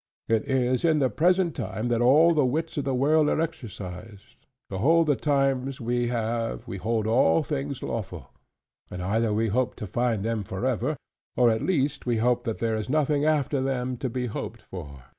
It is in the present time that all the wits of the world are exercised. To hold the times we have, we hold all things lawful: and either we hope to hold them forever; or at least we hope that there is nothing after them to be hoped for.